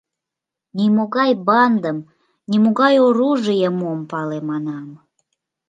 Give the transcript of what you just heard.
«Нимогай бандым, нимогай оружийым ом пале, — манам.